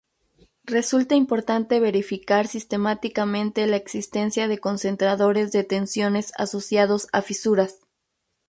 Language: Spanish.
Resulta importante verificar sistemáticamente la existencia de concentradores de tensiones asociados a fisuras.